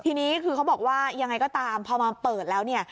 ทีนี้คือเขาบอกว่ายังไงก็ตามพอมาเปิดแล้วเนี่ย